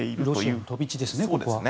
ロシアの飛び地ですね。